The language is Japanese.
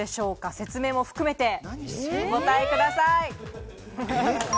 説明も含めてお答えください。